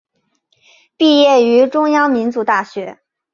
毕业于中央民族大学。